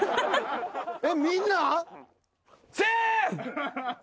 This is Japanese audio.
えっみんな？